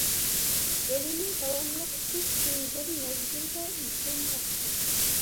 بېلىنى داۋاملىق ئۈچ كۈن بىر مەزگىلدە ئۈزگەن ياخشى.